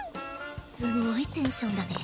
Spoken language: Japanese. すごいテンションだね。